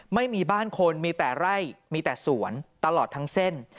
ไม่มีบ้านคนมีแต่ไร่มีแต่สวนตลอดทั้งเส้น